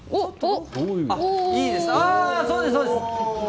そうです、そうです。